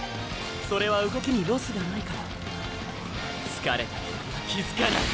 それは動きにロスがないから疲れた敵は気付かない。